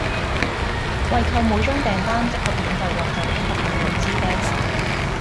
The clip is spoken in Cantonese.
惠顧每張訂單即可免費獲贈一盒共六支啤酒